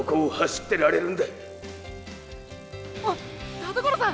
田所さん